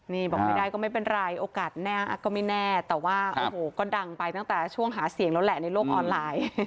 นี่บอกไม่ได้ก็ไม่เป็นไรโอกาสแน่ก็ไม่แน่แต่ว่าโอ้โหก็ดังไปตั้งแต่ช่วงหาเสียงแล้วแหละในโลกออนไลน์